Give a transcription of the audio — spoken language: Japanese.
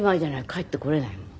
帰ってこれないもの。